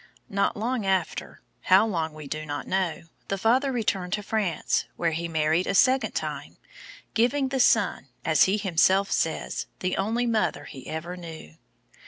Not long after, how long we do not know, the father returned to France, where he married a second time, giving the son, as he himself says, the only mother he ever knew.